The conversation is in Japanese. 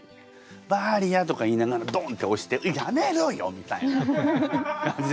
「バーリア」とか言いながらドンッて押して「やめろよ！」みたいな感じですよね。